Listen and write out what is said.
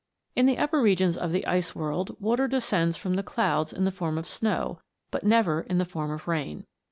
In the upper regions of the ice world water descends from the clouds in the form of snow but never in the form of rain.